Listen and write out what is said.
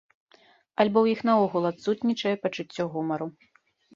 Альбо ў іх наогул адсутнічае пачуццё гумару.